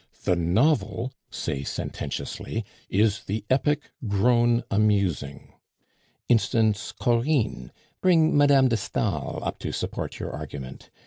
'The Novel,' say sententiously, 'is the Epic grown amusing.' Instance Corinne, bring Mme. de Stael up to support your argument.